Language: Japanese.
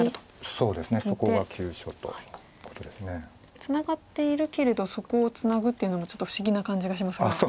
ツナがっているけれどそこをツナぐっていうのもちょっと不思議な感じがしますが。